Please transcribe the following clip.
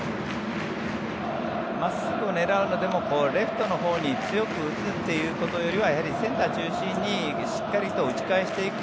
真っすぐを狙うのでもレフトのほうに強く打つというよりはやはりセンター中心にしっかりと打ち返していく。